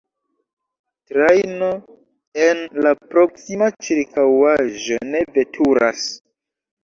Trajno en la proksima ĉirkaŭaĵo ne veturas.